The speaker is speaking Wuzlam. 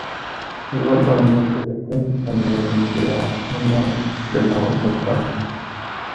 Aləɓay məbeɗeteŋ anaŋ mendiya anaŋ gənaw.